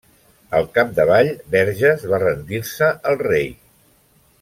Al capdavall, Verges va rendir-se al rei.